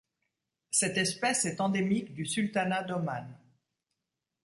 Cette espèce est endémique du sultanat d'Oman.